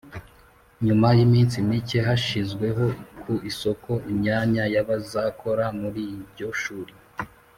Nyuma y’iminsi micye hashyizwe ku isoko imyanya y’abazakora muri iryo shuri,